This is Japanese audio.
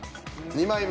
２枚目。